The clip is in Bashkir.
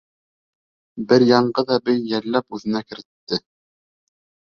Бер яңғыҙ әбей йәлләп үҙенә керетте.